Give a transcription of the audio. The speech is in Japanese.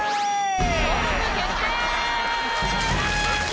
登録決定！